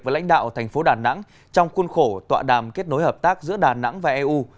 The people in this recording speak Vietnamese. với lãnh đạo thành phố đà nẵng trong khuôn khổ tọa đàm kết nối hợp tác giữa đà nẵng và eu